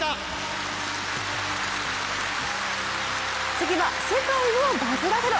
次は世界をバズらせろ！